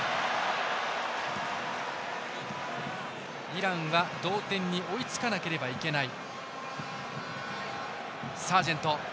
イランは同点に追いつかなければいけない。